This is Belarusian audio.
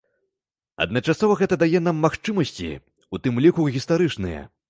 Адначасова гэта дае нам магчымасці, у тым ліку і гістарычныя.